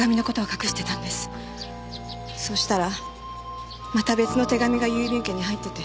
そうしたらまた別の手紙が郵便受けに入ってて。